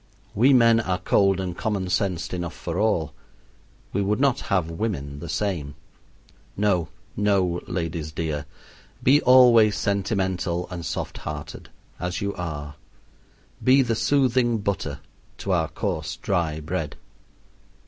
We men are cold and common sensed enough for all; we would not have women the same. No, no, ladies dear, be always sentimental and soft hearted, as you are be the soothing butter to our coarse dry bread.